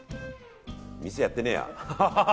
店、やってねえや。